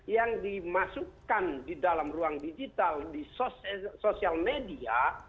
yang dimasukkan di dalam ruang digital di sosial media